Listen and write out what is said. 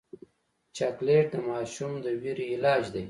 چاکلېټ د ماشوم د ویرې علاج دی.